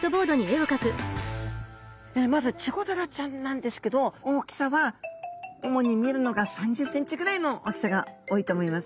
まずチゴダラちゃんなんですけど大きさは主に見るのが３０センチぐらいの大きさが多いと思います。